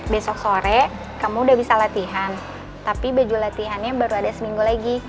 besok sore kamu udah bisa latihan tapi baju latihannya baru ada seminggu lagi